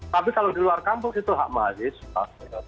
tapi kalau di luar kampus itu hak mahasiswa